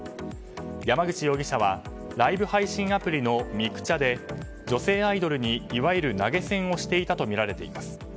山口容疑者はライブ配信アプリのミクチャで女性アイドルにいわゆる投げ銭をしていたとみられています。